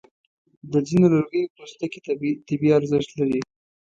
د ځینو لرګیو پوستکي طبي ارزښت لري.